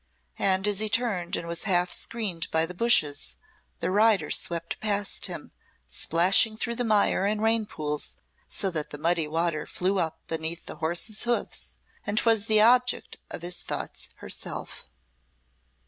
And as he turned and was half screened by the bushes, the rider swept past him splashing through the mire and rain pools so that the muddy water flew up beneath the horses' hoofs and 'twas the object of his thoughts herself!